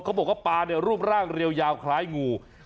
พวกมันยังรูปร่างริ้วยาวคล้ายงู